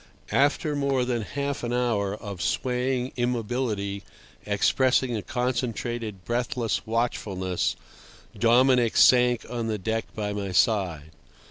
After more than half an hour of swaying immobility expressing a concentrated, breathless watchfulness, Dominic sank on the deck by my side.